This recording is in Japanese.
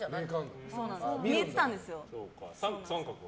見えてたんですよ。